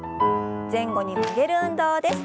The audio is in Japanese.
前後に曲げる運動です。